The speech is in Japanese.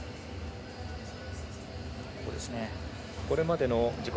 これまでの自己